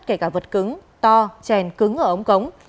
kể cả vật cứng to chèn cứng ở ống cống